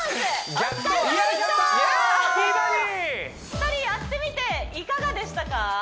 お二人やってみていかがでしたか？